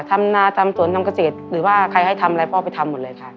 ทำนาทำสวนทำเกษตรหรือว่าใครให้ทำอะไรพ่อไปทำหมดเลยค่ะ